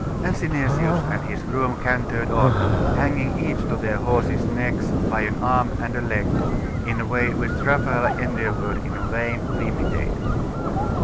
And Synesius and his groom cantered on, hanging each to their horses' necks by an arm and a leg, in a way which Raphael endeavoured in vain to imitate.